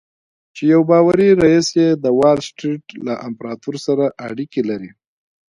چې يو باوري رييس يې د وال سټريټ له امپراتور سره اړيکې لري.